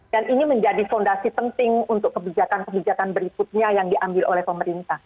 dan ini menjadi fondasi penting untuk kebijakan kebijakan berikutnya yang diambil oleh pemerintah